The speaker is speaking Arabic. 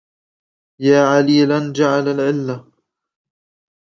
يا عليلا جعل العلة